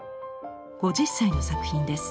５０歳の作品です。